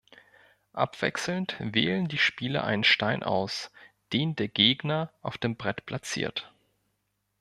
Abwechselnd wählen die Spieler einen Stein aus, den der Gegner auf dem Brett platziert.